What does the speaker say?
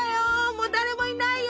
もう誰もいないよ！